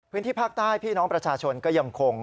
พื้นที่ภาคใต้พี่น้องประชาชนก็ยังคง